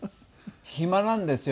暇なんですよ